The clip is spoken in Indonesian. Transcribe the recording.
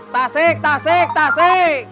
tasik tasik tasik